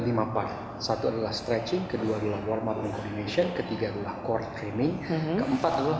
lima part satu adalah stretching kedua adalah warm up dan coordination ketiga adalah core training keempat adalah